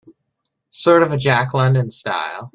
Sort of a Jack London style?